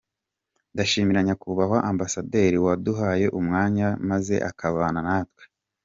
Ndashimira Nyakubahwa Ambassador waduhaye umwanya maze akabana natwe.